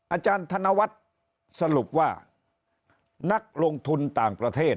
อาจารย์ธนวัฒน์สรุปว่านักลงทุนต่างประเทศ